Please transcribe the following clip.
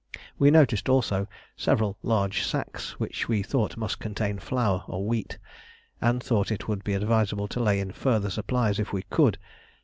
We noticed also several large sacks, which we thought must contain flour or wheat, and thought it would be advisable to lay in further supplies if we could.